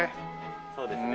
そうですね。